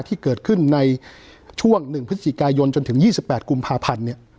ที่เกิดขึ้นในช่วง๑พฤศจิกายนจนถึง๒๘กุมภาพันธ์